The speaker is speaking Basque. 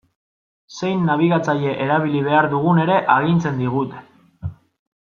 Zein nabigatzaile erabili behar dugun ere agintzen digute.